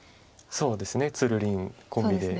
そうですねつるりんコンビ。